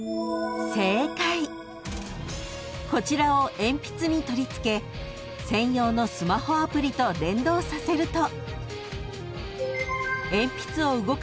［こちらを鉛筆に取り付け専用のスマホアプリと連動させると］